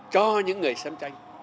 cho những người xem tranh